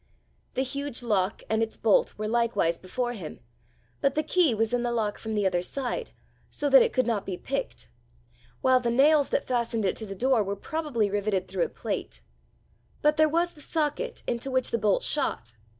The huge lock and its bolt were likewise before him, but the key was in the lock from the other side, so that it could not be picked; while the nails that fastened it to the door were probably riveted through a plate. But there was the socket into which the bolt shot!